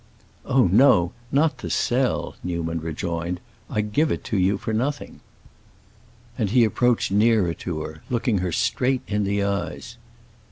"Oh, no, not to sell," Newman rejoined; "I give it to you for nothing." And he approached nearer to her, looking her straight in the eyes.